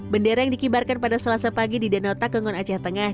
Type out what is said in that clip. bendera yang dikibarkan pada selasa pagi di danau takengon aceh tengah